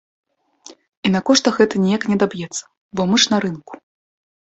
І на коштах гэта ніяк не адаб'ецца, бо мы ж на рынку.